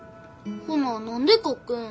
ほな何で書くん。